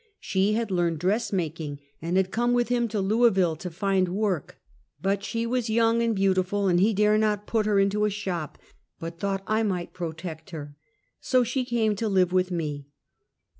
She had learned dressmaking, and had come with him to Lou isville to find work, but she was young and beautiful, and he dare not put her into a sliop, but thought I might protect her, so she came to live with me.